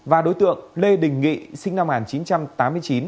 và đối tượng lê đình nghị sinh năm một nghìn chín trăm tám mươi chín